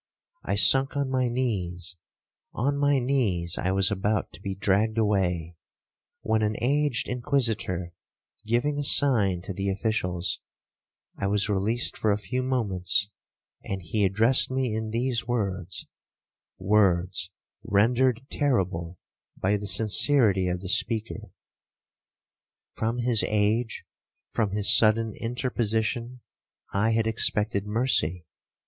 I sunk on my knees—on my knees I was about to be dragged away, when an aged Inquisitor giving a sign to the officials, I was released for a few moments, and he addressed me in these words—words rendered terrible by the sincerity of the speaker. From his age, from his sudden interposition, I had expected mercy.